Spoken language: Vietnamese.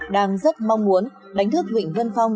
đang rất mong muốn đánh thức vịnh vân phong